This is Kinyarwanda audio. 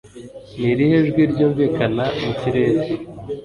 Ni irihe jwi ryumvikana mu kirere